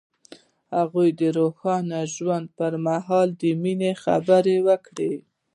هغه د روښانه ژوند پر مهال د مینې خبرې وکړې.